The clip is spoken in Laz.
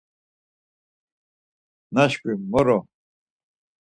Naşkvi moro.